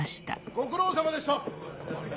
ご苦労さまでした。